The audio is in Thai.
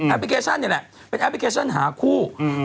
พลิเคชันนี่แหละเป็นแอปพลิเคชันหาคู่